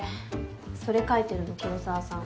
それ書いてるの黒澤さん。